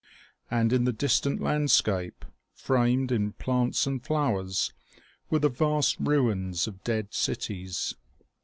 And in the distant landscape, framed in plants and flowers, were the vast ruins of dead cities.